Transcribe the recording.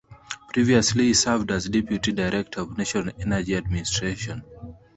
Previously he served as deputy director of National Energy Administration.